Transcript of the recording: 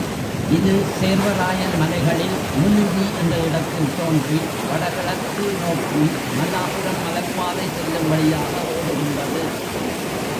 இது சேர்வராயன் மலைகளில் முலுவி என்ற இடத்தில் தோன்றி வடகிழக்கு நோக்கி மல்லாபுரம் மலைப்பாதை செல்லும் வழியாக ஓடுகின்றது.